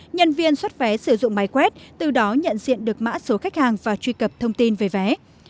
nhân viên xuất vé sử dụng máy quét từ đó nhận diện được mã số khách hàng và truy cập thông tin về vé